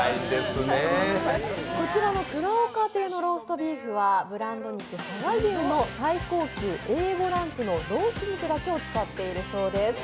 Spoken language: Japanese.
こちらのくらおか亭のローストビーフはブランド肉、佐賀牛の最高級Ａ５ランクのロース肉だけを使っているそうです。